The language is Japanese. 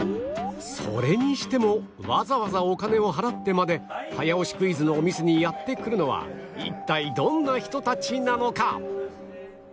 それにしてもわざわざお金を払ってまで早押しクイズのお店にやって来るのは一体どんな人たちなのか？